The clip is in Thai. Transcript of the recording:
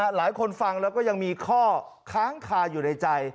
หลายคนฟังแล้วก็ยังมีข้อค้างคาอยู่ในใจ